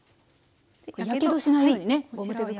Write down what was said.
やけどしないようにねゴム手袋。